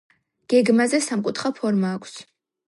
გეგმაზე სამკუთხა ფორმა აქვს.